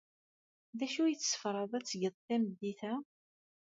D acu ay tessefraḍ ad t-tgeḍ tameddit-a?